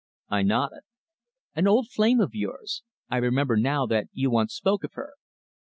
I nodded. "An old flame of yours. I remember now that you once spoke of her."